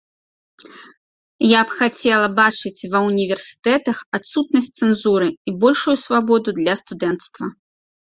Я б хацела бачыць ва ўніверсітэтах адсутнасць цэнзуры і большую свабоду для студэнцтва.